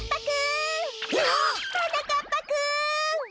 はなかっぱくん！